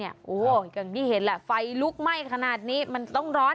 อย่างที่เห็นแหละไฟลุกไหม้ขนาดนี้มันต้องร้อน